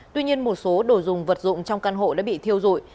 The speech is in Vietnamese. tuy nhiên một số đồ dùng vật dụng trong căn hộ đã bị thiêu dụi